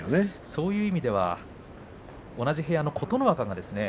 そういう意味では同じ部屋での琴ノ若ですね。